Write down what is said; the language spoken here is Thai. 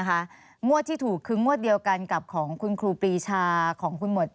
ค่ะคุณศิริยากรถ้าขึ้นหน้าอย่างไร